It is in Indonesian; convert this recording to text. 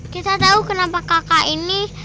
kita tahu kenapa kakak ini